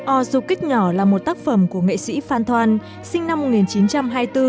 o du kích nhỏ là một tác phẩm của nghệ sĩ phan thoan sinh năm một nghìn chín trăm hai mươi bốn